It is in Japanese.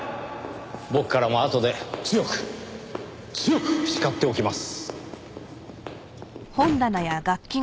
僕からもあとで強く強く叱っておきます。